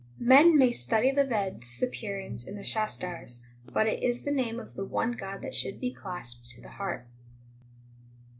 20 Men may study the Veds, the Purans, and the Shastars, But it is the name of the one God that should be clasped to the heart.